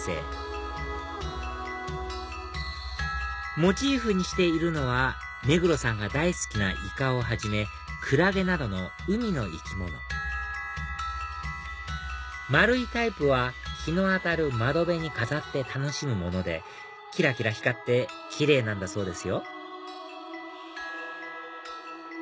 モチーフにしているのは目黒さんが大好きなイカをはじめクラゲなどの海の生き物丸いタイプは日の当たる窓辺に飾って楽しむものできらきら光ってキレイなんだそうですよ